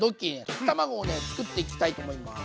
溶き卵を作っていきたいと思います。